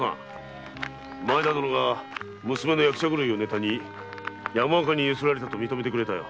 前田殿が娘の役者狂いをネタに山岡に強請られたと認めてくれたよ。